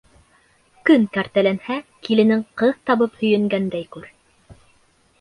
Көн кәртәләнһә, киленең ҡыҙ табып һөйөнгәндәй күр.